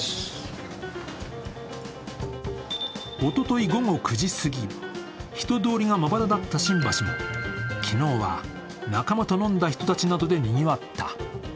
おととい午後９時すぎ、人通りがまばらだった新橋も昨日は仲間と飲んだ人たちなどでにぎわった。